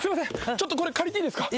ちょっとこれ借りていいですか？